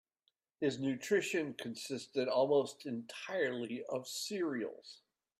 His nutrition consisted almost entirely of cereals.